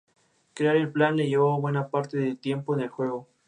Crear el plan le llevo buena parte de tiempo en el juego.